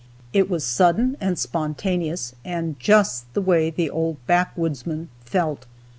It was sudden and spontaneous, and just the way the old backwoodsman felt.